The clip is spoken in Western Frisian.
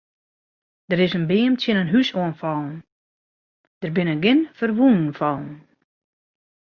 Der is in beam tsjin in hús oan fallen, der binne gjin ferwûnen fallen.